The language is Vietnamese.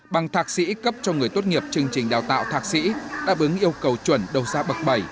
bằng thạc sĩ cấp cho người tốt nghiệp chương trình đào tạo thạc sĩ đáp ứng yêu cầu chuẩn đầu gia bậc bảy